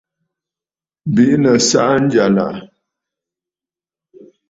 Bìʼinə̀ saʼa njyàlàʼà.